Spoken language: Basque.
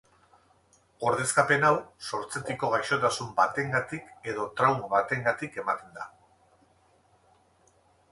Ordezkapen hau sortzetiko gaixotasun batengatik edo trauma batengatik ematen da.